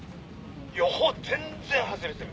予報全然外れてる。